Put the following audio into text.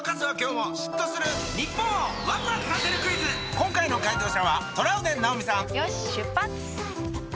今回の解答者はトラウデン直美さんよし出発！